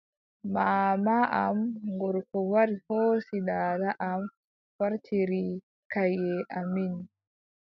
Maama am gorko wari hoosi daada am waartiri kayye amin.